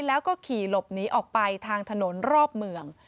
แล้วก็ขี่หลบหนีออกไปทางถนนรอบเมือง